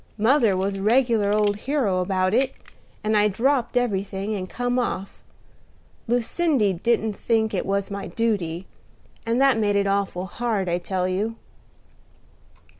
Mother was a regular old hero about it and I dropped everything, and come off. Lucindy didn't think it was my duty; and that made it awful hard, I tell you."